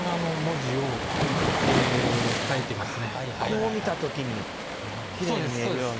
こう見た時にきれいに見えるように。